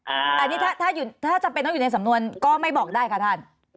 อันนี้ถ้าจำเป็นต้องอยู่ในสำนวนก็ไม่บอกได้ค่ะท่าน